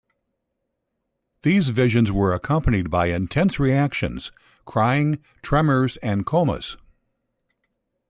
These visions were accompanied by intense reactions: crying, tremors, and comas.